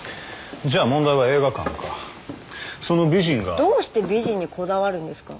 じゃあ問題は映画館かその美人がどうして美人にこだわるんですか？